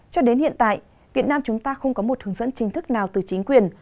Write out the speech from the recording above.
cho đến hiện tại việt nam chúng ta không có một hướng dẫn chính thức nào từ chính quyền